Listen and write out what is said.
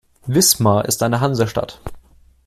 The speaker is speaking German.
Wismar ist eine Hansestadt.